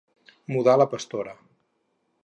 Mudar la Pastora.